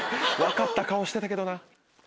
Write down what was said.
分かった顔してたけどな。